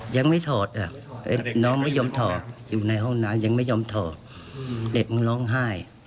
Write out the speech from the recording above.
ยังไม่ถอดน้องไม่ยอมถอดอยู่ในห้องน้ำยังไม่ยอมถอดเด็กมึงร้องไห้